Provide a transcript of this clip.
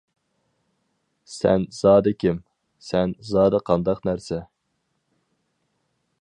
-سەن زادى كىم؟ سەن زادى قانداق نەرسە؟ !